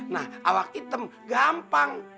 nah awak item gampang